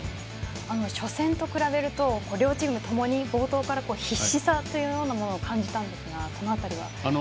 初戦と比べると両チームともに冒頭から必死さというものも感じたんですがその辺りは？